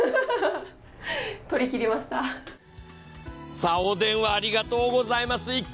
さあ、お電話ありがとうございます。